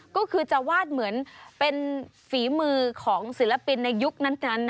ก็คือจะวาดเหมือนเป็นฝีมือของศิลปินในยุคนั้น